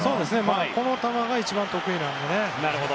この球が一番得意なのでね。